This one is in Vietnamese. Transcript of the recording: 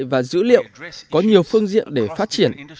và dữ liệu có nhiều phương diện để phát triển